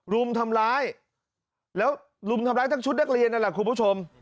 รุมทำร้ายแล้วรุมทำร้ายทั้งชุดนักเรียนนั่นแหละคุณผู้ชม